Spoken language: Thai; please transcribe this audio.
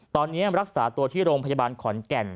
ตอนนี้รักษาตัวที่โรงพยาบาลขอนแก่น